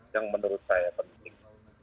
yang menurut saya penting